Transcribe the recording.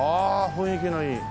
雰囲気のいい。